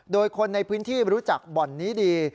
โดยคนในพื้นที่รู้จักบ่อนนี้ดี